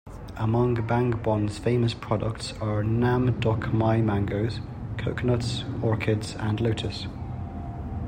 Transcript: Among Bang Bon's famous products are Nam Doc Mai mangos, coconuts, orchids, and lotus.